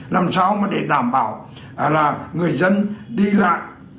làm sao mà để đảm bảo là người dân đi lại